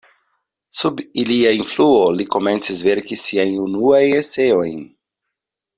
Sub ilia influo li komencis verki siajn unuajn eseojn.